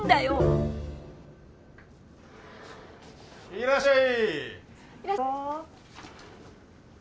いらっしゃい！